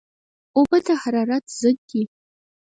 اوبه د حرارت ضد دي